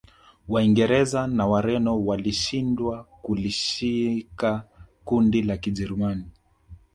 Waingereza na Wareno walishindwa kulishika kundi la Kijerumani